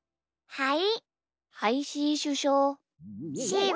はい！